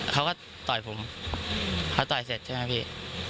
เขาก็ต่อยผมเขาต่อยเสร็จใช่ไหมพี่